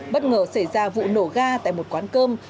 bất ngờ xảy ra vụ nổ ga tại một quán cơm